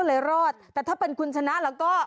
นะเลยรอดแต่ถ้าเป็นคนชนะหล่ะก็